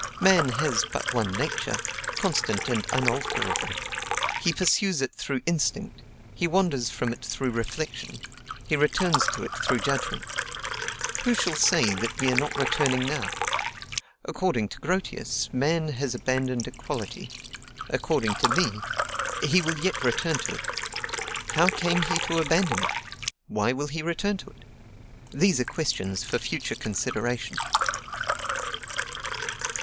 Man has but one nature, constant and unalterable: he pursues it through instinct, he wanders from it through reflection, he returns to it through judgment; who shall say that we are not returning now? According to Grotius, man has abandoned equality; according to me, he will yet return to it. How came he to abandon it? Why will he return to it? These are questions for future consideration.